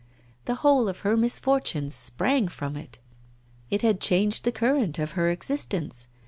The whole of her misfortunes sprang from it. It had changed the current of her existence.